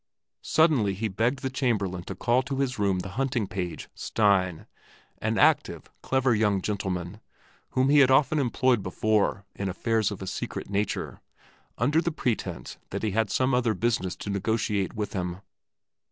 Suddenly he begged the Chamberlain to call to his room the hunting page, Stein, an active, clever young gentleman whom he had often employed before in affairs of a secret nature, under the pretense that he had some other business to negotiate with him.